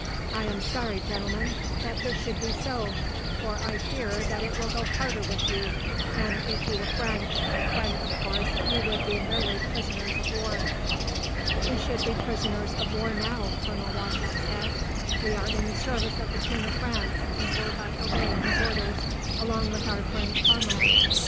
"I am sorry, gentlemen, that this should be so, for I fear that it will go harder with you than if you were French, when, of course, you would be merely prisoners of war." "We should be prisoners of war, now," Colonel Wauchop said. "We are in the service of the King of France, and were but obeying his orders, along with our French comrades."